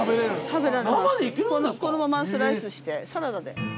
このままスライスしてサラダで。